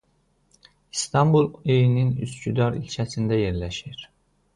İstanbul ilinin Üsküdar ilçəsində yerləşir.